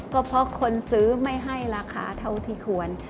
ก็เพราะคนซื้อไม่ให้ราคาเท่าที่ควร